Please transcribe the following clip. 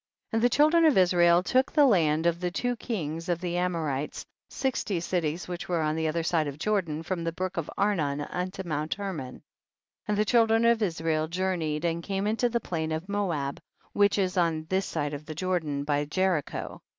32. And the children of Israel took the land of the two kings of the Am orites, sixty cities which were on the other side of Jordan, from the brook of Anion unto Mount Hermon. 33. And the children of Israel journeyed and came into the plain of Moab, which is on this side of Jor dan, by Jericho.